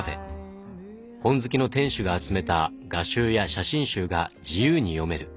本好きの店主が集めた画集や写真集が自由に読める